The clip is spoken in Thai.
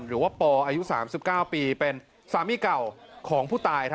หรือว่าปอายุ๓๙ปีเป็นสามีเก่าของผู้ตาย